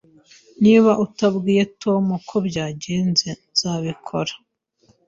Niba utabwiye Tom uko byagenze, nzabikora.